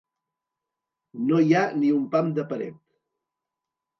No hi ha ni un pam de paret.